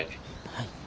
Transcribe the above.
はい。